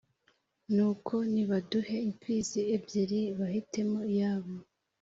Nuko nibaduhe impfizi ebyiri bahitemo iyabo